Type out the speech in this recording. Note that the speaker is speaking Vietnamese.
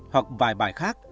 hoặc vài bài khác